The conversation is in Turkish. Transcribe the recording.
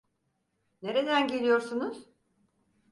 Nereden geliyorsunuz?